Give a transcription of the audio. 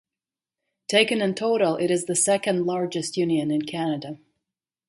Taken in total it is the second largest union in Canada.